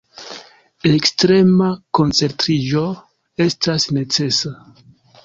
Ekstrema koncentriĝo estas necesa.